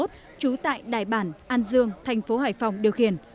trú tại đài bản an dương thành phố hải phòng điều khiển